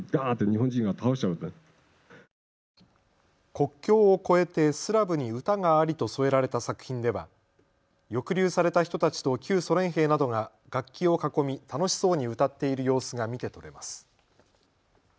国境を越えてスラブに歌がありと添えられた作品では抑留された人たちと旧ソ連兵などが楽器を囲み、楽しそうに歌っている様子が見て取れます。